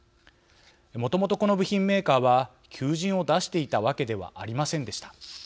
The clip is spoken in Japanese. もともと、この部品メーカーは求人を出していたわけではありませんでした。